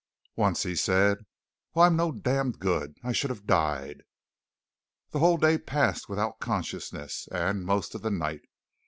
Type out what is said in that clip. Once he said: "Oh, I'm no damned good! I should have died!" That whole day passed without consciousness, and most of the night.